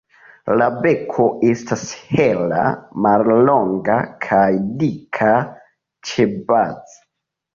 La beko estas hela, mallonga kaj dika ĉebaze.